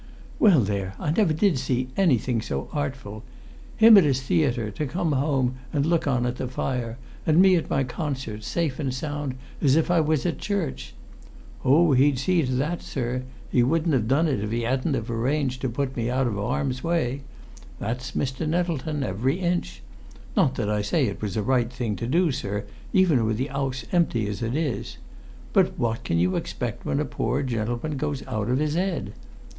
"Well, there, I never did see anything so artful! Him at his theatre, to come home and look on at the fire, and me at my concert, safe and sound as if I was at church! Oh, he'd see to that, sir; he wouldn't've done it if he 'adn't've arranged to put me out of 'arm's way. That's Mr. Nettleton, every inch. Not that I say it was a right thing to do, sir, even with the 'ouse empty as it is. But what can you expect when a pore gentleman goes out of 'is 'ead?